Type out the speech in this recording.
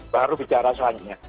baru bicara saja